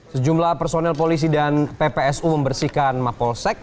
sejumlah personel polisi dan ppsu membersihkan mapolsek